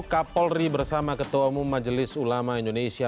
kapolri bersama ketua umum majelis ulama indonesia